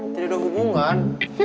tidak ada hubungan